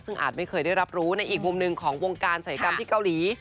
ซึ่งอาจไม่เคยได้รับรู้ในอีกมุมหนึ่งของวงการศัยกรรมที่เกาหลี